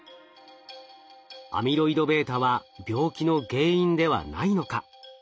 アミロイドβは病気の原因ではないのか？